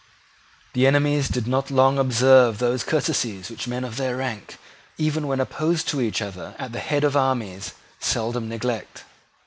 The enemies did not long observe those courtesies which men of their rank, even when opposed to each other at the head of armies, seldom neglect.